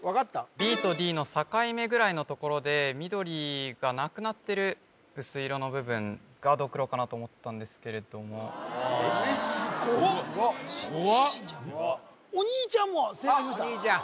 ＢとＤの境目ぐらいの所で緑がなくなってる薄い色の部分がドクロかなと思ったんですけれどもすごっこわっお兄ちゃんも正解しましたあっ